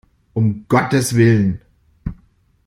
Um Gottes Willen!